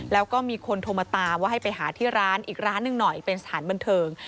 แล้วก็มีคนโทรมาตามว่าให้ไปหาที่ร้านอีกร้านหนึ่งหน่อยเป็นสถานบันเทิง